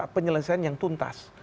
penyelesaian yang tuntas